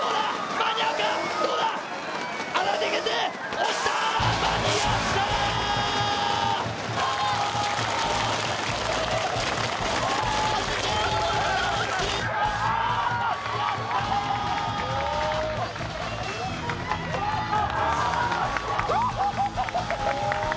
間に合ったー！